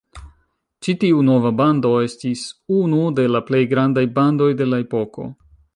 Ĉi tiu nova bando estis unu de la plej grandaj bandoj de la epoko.